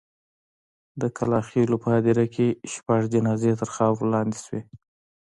د کلا خېلو په هدیره کې شپږ جنازې تر خاورو لاندې شوې.